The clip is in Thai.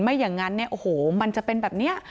อย่างนั้นเนี่ยโอ้โหมันจะเป็นแบบนี้